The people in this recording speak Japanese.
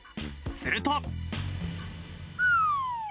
すると。